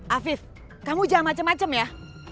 afif kamu jangan macem macem ya